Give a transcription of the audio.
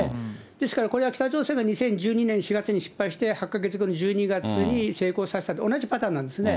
ですからこれは北朝鮮が２０１２年４月に失敗して、８か月後の１２月に成功させたと、同じパターンなんですね。